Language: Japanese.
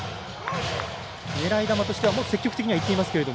狙い球としては積極的にはいっていますけど。